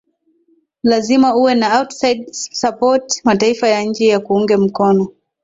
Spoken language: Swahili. lazima uwe na outside support mataifa ya nje yakuunge mkono